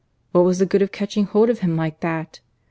... What was the good of catching hold of him like that?